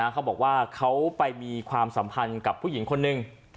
เขาบอกว่าเขาไปมีความสัมพันธ์กับผู้หญิงคนหนึ่ง